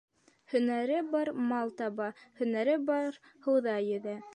Һөнәре бар мал таба. Һөнәре бар һыуҙа йөҙә.